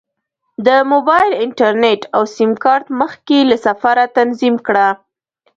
د موبایل انټرنیټ او سیم کارت مخکې له سفره تنظیم کړه.